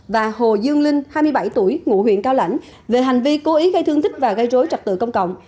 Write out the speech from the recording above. và hồ dương linh hai mươi bảy tuổi ngụ huyện cao lãnh về hành vi cố ý gây thương tích và gây rối trật tự công cộng